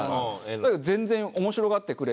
だけど全然面白がってくれて。